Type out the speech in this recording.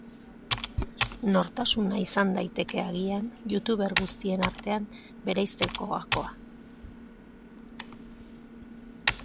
Nortasuna izan daiteke, agian, youtuber guztien artean bereizteko gakoa.